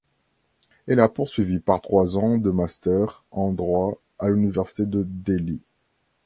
Elle a poursuivi par trois ans de Master en droit à l’université de Delhi.